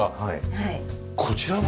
こちらは？